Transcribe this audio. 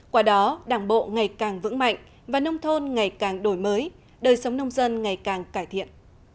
qua đó đảng bộ ngày càng vững mạnh và nông thôn ngày càng đổi mới đời sống nông dân ngày càng cải thiện